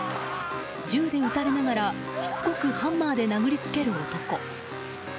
銃で撃たれながらしつこくハンマーで殴りつける男。